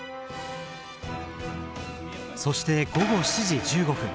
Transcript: そして午後７時１５分。